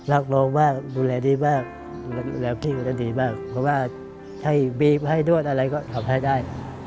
อะไรก็ทำให้ได้